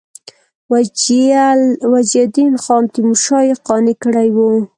وجیه الدین خان تیمورشاه یې قانع کړی وو.